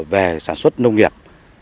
về sản xuất nông nghiệp